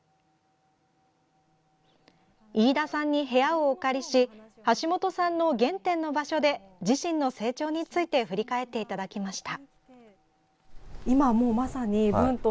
飯田さんに部屋をお借りし橋本さんの原点の場所で自身の成長について振り返っていただきました。